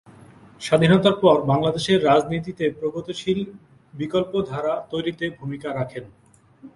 স্বাধীনতার পর বাংলাদেশের রাজনীতিতে প্রগতিশীল বিকল্প ধারা তৈরিতে ভূমিকা রাখেন।